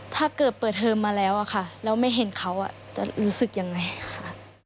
ถ้าเกิดเปิดเทอมมาแล้วอะค่ะแล้วไม่เห็นเขาจะรู้สึกยังไงค่ะ